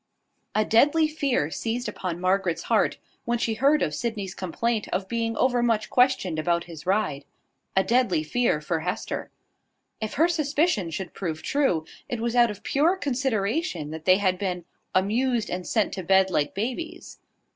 A deadly fear seized upon Margaret's heart, when she heard of Sydney's complaint of being overmuch questioned about his ride, a deadly fear for Hester. If her suspicion should prove true, it was out of pure consideration that they had been "amused and sent to bed like babies."